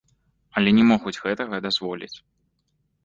Але не могуць гэтага дазволіць.